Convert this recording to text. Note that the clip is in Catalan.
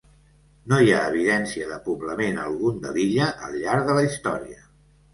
No hi ha evidència de poblament algun de l'illa al llarg de la Història.